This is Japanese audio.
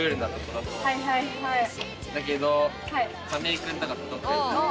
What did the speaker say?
だけど亀井君とかとロケ。